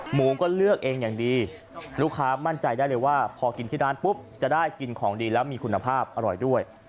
หมูก็เลือกเองอย่างดีลูกค้ามั่นใจได้เลยว่าพอกินที่ร้านปุ๊บจะได้กินของดีแล้วมีคุณภาพอร่อยด้วย